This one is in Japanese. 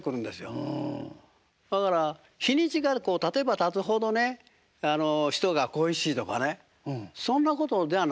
そやから日にちがたてばたつほどね人が恋しいとかねそんなことじゃないですね。